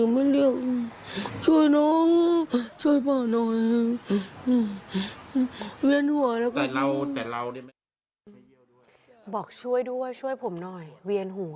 บอกช่วยด้วยช่วยผมหน่อยเวียนหู